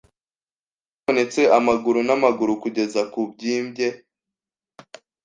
Habonetse amaguru n'amaguru kugeza kubyimbye